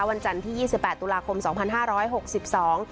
วันจันทร์ที่ยี่สิบแปดตุลาคมสองพันห้าร้อยหกสิบสอง